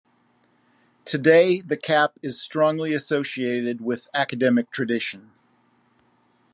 Today the cap is strongly associated with academic tradition.